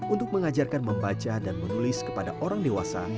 untuk mengajarkan membaca dan menulis kepada orang dewasa